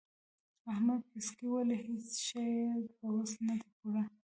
احمد پسکۍ ولي؛ هيڅ شی يې په وس نه دی پوره.